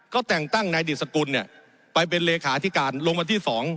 ก็แต่งตั้งนายดิสกุลไปเป็นเลขาธิการลงวันที่๒